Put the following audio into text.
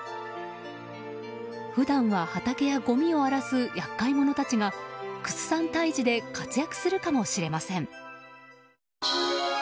普段は畑やごみを荒らす厄介者たちがクスサン退治で活躍するかもしれません。